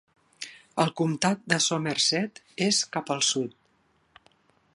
El comtat de Somerset és cap al sud.